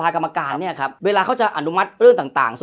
คราวนี้ที่เค้าพัชงสภากรรมการ